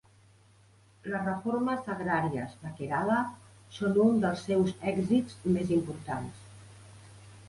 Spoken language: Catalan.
Les reformes agràries de Kerala són un dels seus èxits més importants.